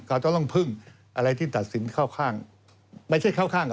เขาต้องเพิ่งอะไรที่ทักษิณข้างค่ะไม่ใช่ข้าง